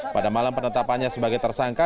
pada malam penetapannya sebagai tersangka